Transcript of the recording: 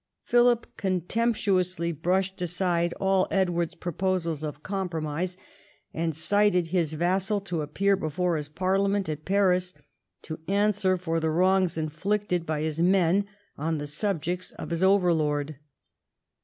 Philip contemptuously brushed aside all Edward's XI THE YEARS OF CRISIS 181 proposals of compromise, and cited his vassal to appear before his parliament at Paris to answer for the wrongs inflicted by his men on the subjects of his overlord.